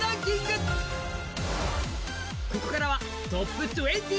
ここからはトップ２０。